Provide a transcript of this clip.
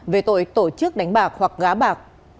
về tội tổ chức đánh bạc hoặc gá bạc